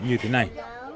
như thế này